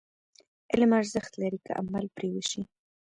علم ارزښت لري، که عمل پرې وشي.